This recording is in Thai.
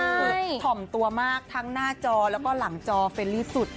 คือถ่อมตัวมากทั้งหน้าจอแล้วก็หลังจอเฟลลี่สุด